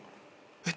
えっ？